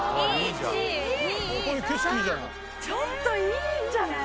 ちょっといいんじゃない？